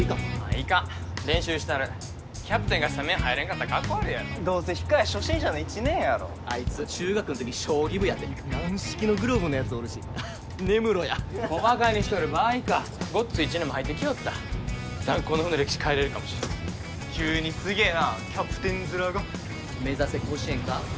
行かん練習したるキャプテンがスタメン入れんかったらかっこ悪いやろどうせ控えは初心者の１年やろあいつ中学の時将棋部やて軟式のグローブのやつおるし根室や小バカにしとる場合かごっつい１年も入ってきよったザン高の負の歴史変えれるかもしれん急にすげえなキャプテン面が目指せ甲子園か？